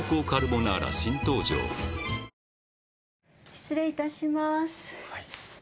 失礼いたします。